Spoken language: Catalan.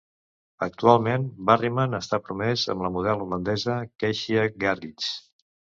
Actualment, Berryman està promès amb la model holandesa Keshia Gerrits.